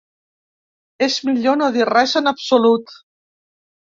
És millor no dir res en absolut.